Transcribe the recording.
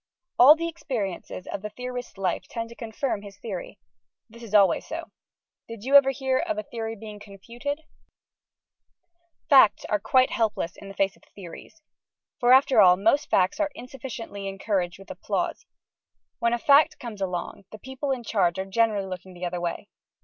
All the experiences of the theorist's life tend to confirm his Theory. This is always so. Did you ever hear of a Theory being confuted? Facts are quite helpless in the face of Theories. For after all, most Facts are insufficiently encouraged with applause. When a Fact comes along, the people in charge are generally looking the other way.